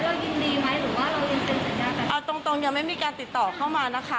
ส่วนแบบนี้เรายินดีไหมหรือว่าเรายินเต็มสัญญาค่ะเอาตรงตรงยังไม่มีการติดต่อเข้ามานะคะ